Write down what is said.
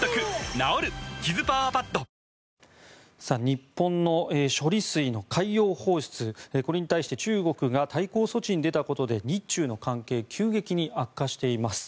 日本の処理水の海洋放出これに対して中国が対抗措置に出たことで日中の関係急激に悪化しています。